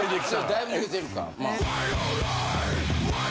だいぶ抜けてるか。